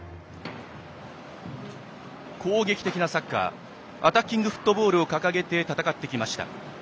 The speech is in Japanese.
攻撃的なサッカーアタッキングフットボールを掲げて戦ってきました。